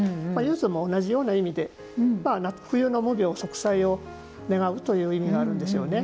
柚子も同じような意味で冬の無病息災を願うという意味があるんでしょうね。